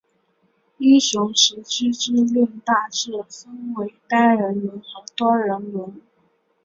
英雄时机之轮大致分为单人轮和多人轮。